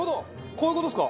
こういう事ですか？